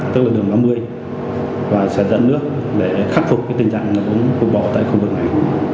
tức là đường năm mươi và sản dẫn nước để khắc phục tình trạng ngập cục bộ tại khu vực này